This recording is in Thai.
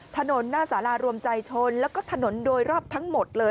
ถนนหน้าสารารวมใจชนแล้วก็ถนนโดยรอบทั้งหมดเลย